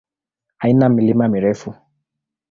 Haina milima mirefu.